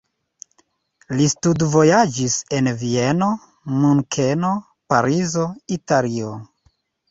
Li studvojaĝis en Vieno, Munkeno, Parizo, Italio.